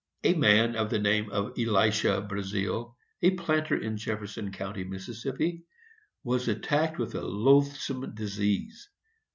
A man of the name of Elisha Brazealle, a planter in Jefferson County, Mississippi, was attacked with a loathsome disease.